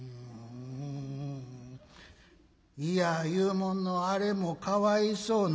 いや言うもんのあれもかわいそうなおなごやな。